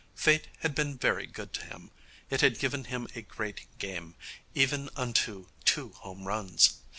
Fate had been very good to him. It had given him a great game, even unto two home runs.